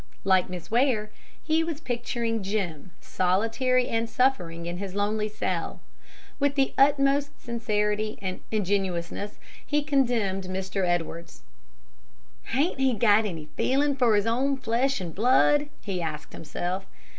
Like Miss Ware, he was picturing Jim solitary and suffering in his lonely cell. With the utmost sincerity and ingenuousness he condemned Mr. Edwards. "Hain't he got any feelin' for his own flesh and blood?" he asked himself.